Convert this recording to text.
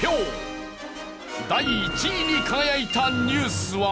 第１位に輝いたニュースは。